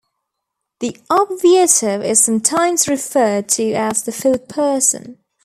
The obviative is sometimes referred to as the "fourth person".